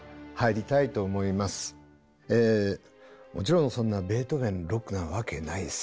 もちろんそんなベートーヴェンロックなわけないですよ。